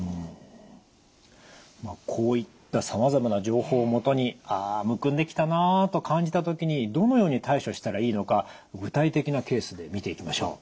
こういったさまざまな情報を基にああむくんできたなあと感じた時にどのように対処したらいいのか具体的なケースで見ていきましょう。